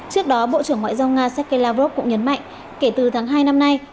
trước đó bộ trưởng ngoại giao nga sergei lavrov cũng nhấn mạnh kể từ tháng hai năm nay